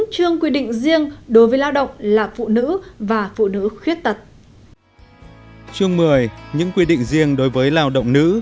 chương một mươi những quy định riêng đối với lao động nữ